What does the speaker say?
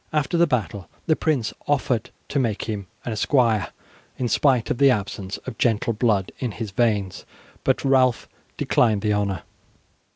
After the battle the prince offered to make him an esquire in spite of the absence of gentle blood in his veins, but Ralph declined the honour.